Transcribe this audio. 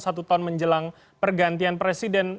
satu tahun menjelang pergantian presiden